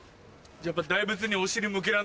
やっぱ。